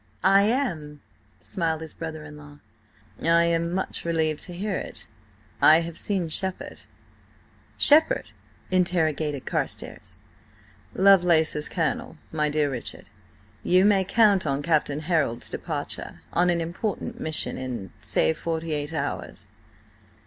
"I am," smiled his brother in law. "I am much relieved to hear it. I have seen Shepherd." "Shepherd?" interrogated Carstares. "Lovelace's colonel, my dear Richard. You may count on Captain Harold's departure–on an important mission–in, say, forty eight hours."